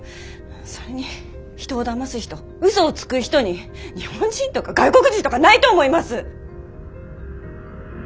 それに人をだます人うそをつく人に日本人とか外国人とかないと思います！